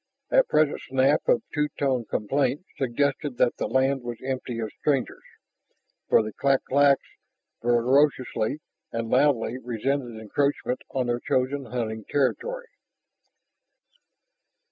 That present snap of two tone complaint suggested that the land was empty of strangers. For the clak claks vociferously and loudly resented encroachment on their chosen hunting territory.